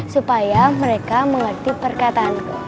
supaya mereka mengerti perkataanku